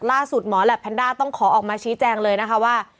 หมอแหลปแพนด้าต้องขอออกมาชี้แจงเลยนะคะว่า